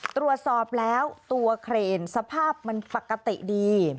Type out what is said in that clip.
ตรวจสอบแล้วตัวเครนสภาพมันปกติดี